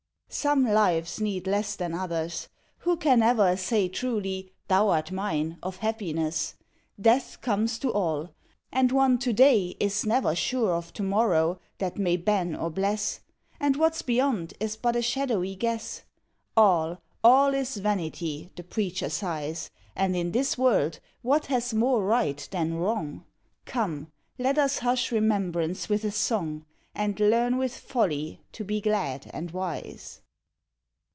Some lives need less than others. Who can ever Say truly "Thou art mine," of Happiness? Death comes to all. And one, to day, is never Sure of to morrow, that may ban or bless; And what's beyond is but a shadowy guess. "All, all is vanity," the preacher sighs; And in this world what has more right than Wrong? Come! let us hush remembrance with a song, And learn with folly to be glad and wise.